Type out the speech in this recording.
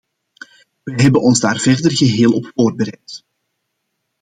Wij hebben ons daar verder geheel op voorbereid.